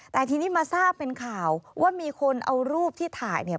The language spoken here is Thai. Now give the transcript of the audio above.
แต่ทีนี้มาทราบเป็นข่าวว่ามีคนเอารูปที่ถ่ายเนี่ย